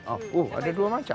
oh ada dua macam